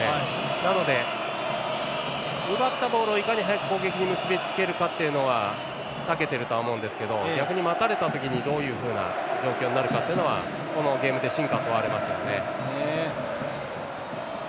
なので、奪ったボールをいかに早く攻撃に結びつけるかというのにはたけているとは思うんですけど逆に待たれた時にどういうふうな状況になるかはこのゲームで真価を問われますよね。